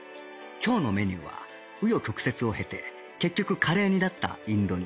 今日のメニューは紆余曲折を経て結局カレー煮だったインド煮